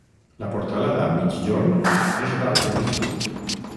La portalada a migjorn és d'arc de mig punt.